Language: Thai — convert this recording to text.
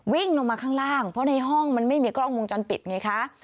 วิ่งลงมาข้างล่างเพราะในห้องมันไม่มีกล้องวงจรปิดไงคะ